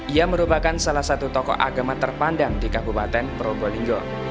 ia merupakan salah satu tokoh agama terpandang di kabupaten probolinggo